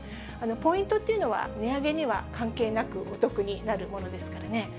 ポイントっていうのは値上げには関係なく、お得になるものですからね。